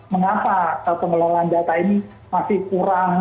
mengapa pengelolaan data ini masih kurang